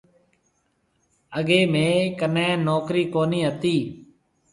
اگيَ ميه ڪني نوڪرِي ڪونِي هتِي۔